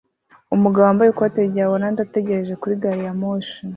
Umugabo wambaye ikoti rya orange ategereje kuri gari ya moshi